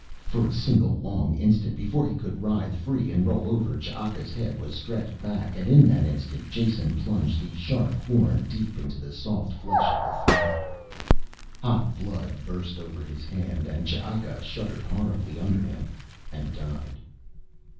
For a single long instant, before he could writhe free and roll over, Ch'aka's head was stretched back, and in that instant Jason plunged the sharp horn deep into the soft flesh of the throat. Hot blood burst over his hand and Ch'aka shuddered horribly under him and died.